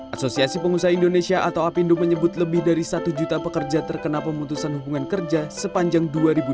asosiasi pengusaha indonesia atau apindo menyebut lebih dari satu juta pekerja terkena pemutusan hubungan kerja sepanjang dua ribu dua puluh